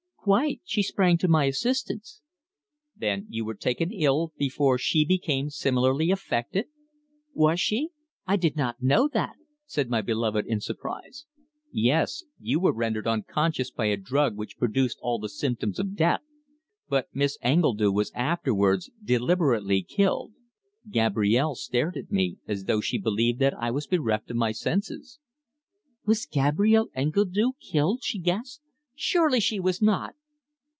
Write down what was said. "Quite, she sprang to my assistance." "Then you were taken ill before she became similarly affected?" "Was she? I did not know that!" said my beloved in surprise. "Yes. You were rendered unconscious by a drug which produced all the symptoms of death, but Miss Engledue was afterwards deliberately killed." Gabrielle stared at me as though she believed that I was bereft of my senses. "Was Gabrielle Engledue killed?" she gasped. "Surely she was not!"